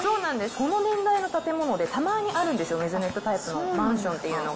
この年代の建物でたまにあるんですよ、メゾネットタイプのマンションというのが。